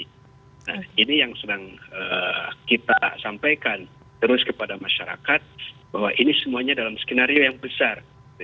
nah ini yang sedang kita sampaikan terus kepada masyarakat bahwa ini semuanya dalam skenario yang besar